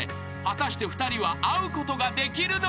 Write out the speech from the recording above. ［果たして２人は会うことができるのか？］